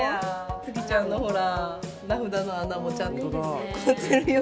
月ちゃんのほら名札の穴もちゃんと残ってるよ